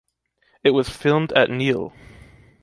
It was filmed at Niles.